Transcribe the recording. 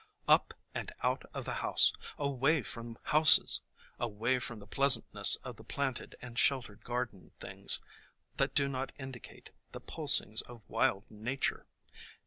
Up and out of the house! Away from houses! Away from the pleasantness of the planted and sheltered garden things that do not indicate the pulsings of wild nature!